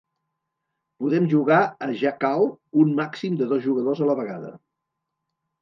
Poden jugar a "Jackal" un màxim de dos jugadors a la vegada.